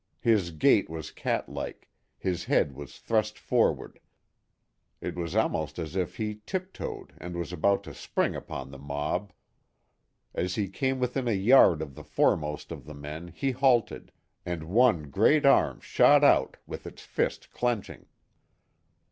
His gait was cat like, his head was thrust forward, it was almost as if he tiptoed and was about to spring upon the mob. As he came within a yard of the foremost of the men he halted, and one great arm shot out with its fist clenching.